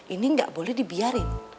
ini gak boleh dibiarin